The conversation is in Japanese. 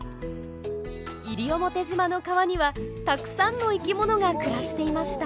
西表島の川にはたくさんの生き物が暮らしていました。